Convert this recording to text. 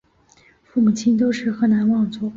父母亲都是河南望族。